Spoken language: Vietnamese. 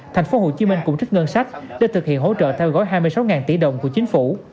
thành phố hồ chí minh cũng trích ngân sách để thực hiện hỗ trợ theo gói hai mươi sáu tỷ đồng của chính phủ